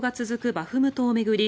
バフムトを巡り